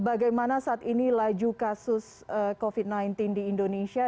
bagaimana saat ini laju kasus covid sembilan belas di indonesia